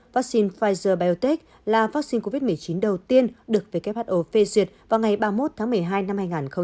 vaccine pfizer biotech là vaccine covid một mươi chín đầu tiên được who phê duyệt vào ngày ba mươi một tháng một mươi hai năm hai nghìn hai mươi